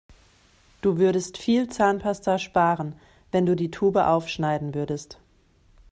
Du würdest viel Zahnpasta sparen, wenn du die Tube aufschneiden würdest.